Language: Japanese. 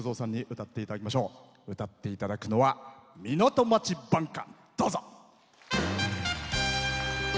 歌っていただくのは「港町挽歌」。